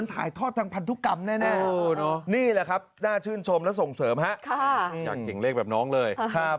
อยากเก่งเลขแบบน้องเลย